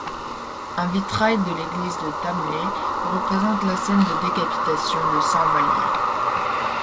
Un vitrail de l'église de Talmay représente la scène de décapitation de saint Vallier.